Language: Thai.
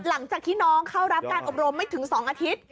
หลังจากที่น้องเข้ารับการอบรมไม่ถึง๒อาทิตย์